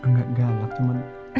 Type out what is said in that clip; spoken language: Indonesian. gak galak cuma